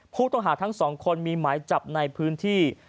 ผู้ต้องหาทั้งสองคนมีหมายจับในพื้นที่